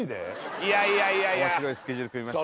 いやいやいやいや面白いスケジュール組みました